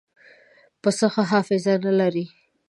پسه ښه حافظه نه لري.